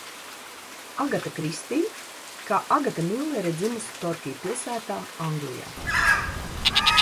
Agata Kristi kā Agata Millere ir dzimusi Torkī pilsētā, Anglijā.